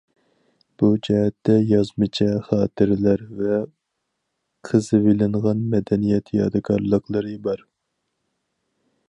بۇ جەھەتتە يازمىچە خاتىرىلەر ۋە قېزىۋېلىنغان مەدەنىيەت يادىكارلىقلىرى بار.